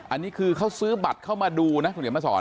อันนี้คือเขาซื้อบัตรเข้ามาดูนะคุณเดี๋ยวมาสอน